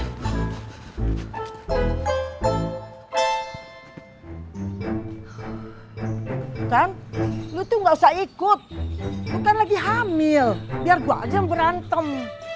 bukram lu tuh gak usah ikut bukram lagi hamil biar gua aja yang berantem